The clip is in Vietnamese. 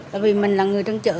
tại vì mình là người trong chợ